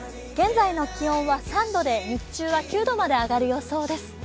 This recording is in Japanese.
現在の気温は３度で日中は９度まで上がる予想です。